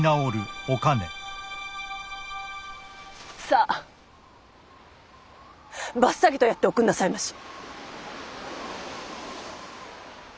さあばっさりとやっておくんなさいまし。